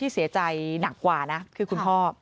ดีกว่านะคือคุณพ่อ